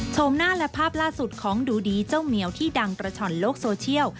โชคดีของดูดีเจ้าแมวที่ดังตระช่อนโลกโซเชียล